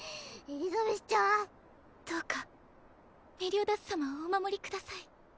エリザベスちゃん？どうかメリオダス様をお守りください。